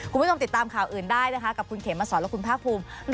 คุณผู้ชมติดตามข่าวอื่นได้นะคะกับคุณเขมสอนและคุณภาคภูมิ